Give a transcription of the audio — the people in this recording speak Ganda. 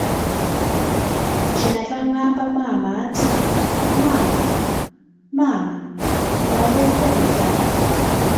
Kye nava ngamba maama nti, maama, maama, laba helikopita.